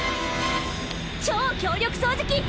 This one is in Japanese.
超強力掃除機！